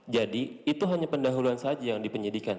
jadi itu hanya pendahuluan saja yang dipenjadikan